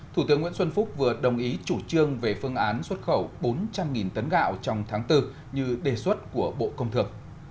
thủ tướng nguyễn xuân phúc vừa đồng ý chủ trương về phương án xuất khẩu bốn trăm linh tấn gạo trong tháng bốn như đề xuất của bộ công thương